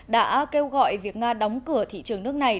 đã kêu gọi việc nga đóng cửa thị trường nước này